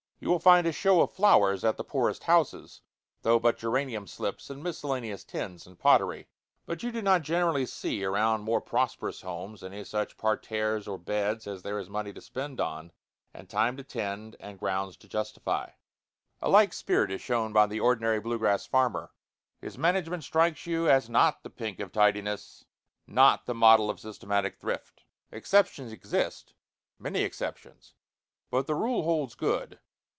You will find a show of flowers at the poorest houses, though but geranium slips in miscellaneous tins and pottery. But you do not generally see around more prosperous homes any such parterres or beds as there is money to spend on, and time to tend, and grounds to justify. [Illustration: HARRODSBURG PIKE.] A like spirit is shown by the ordinary blue grass farmer. His management strikes you as not the pink of tidiness, not the model of systematic thrift. Exceptions exist many exceptions but the rule holds good.